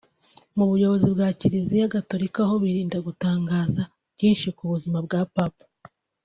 Mu buyobozi bwa Kiliziya Gatolika ho birinda gutangaza byinshi ku buzima bwa Papa